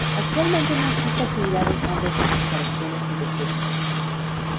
Actualmente no existe actividad estando sus instalaciones en desuso.